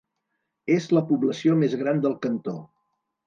És la població més gran del cantó.